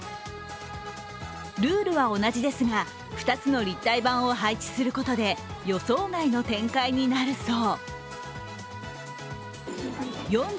ルールは同じですが、２つの立体盤を配置することで予想外の展開になるそう。